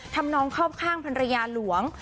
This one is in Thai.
ทำน้องครอบคร่างพรรณรยาหลวง